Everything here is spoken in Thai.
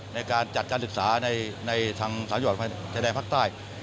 ในการจัดการศึกษาในทางสามจังหวัดชายแดนภาคใต้